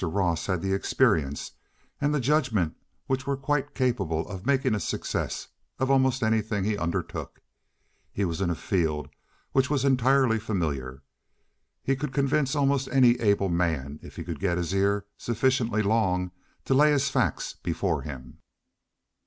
Ross had the experience and the judgment which were quite capable of making a success of almost anything he undertook. He was in a field which was entirely familiar. He could convince almost any able man if he could get his ear sufficiently long to lay his facts before him.